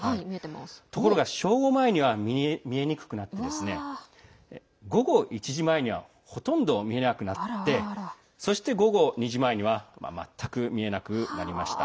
ところが正午前には見えにくくなって午後１時前にはほとんど見えなくなってそして、午後２時前には全く見えなくなりました。